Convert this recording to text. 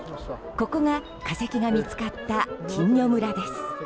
ここが化石が見つかった金魚村です。